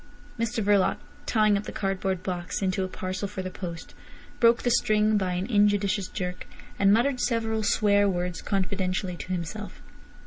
Mr Verloc tying up the cardboard box into a parcel for the post, broke the string by an injudicious jerk, and muttered several swear words confidentially to himself.